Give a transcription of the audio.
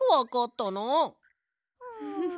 フフフ。